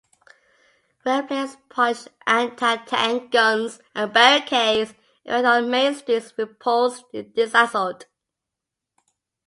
Well-placed Polish anti-tank guns and barricades erected on main streets repulsed this assault.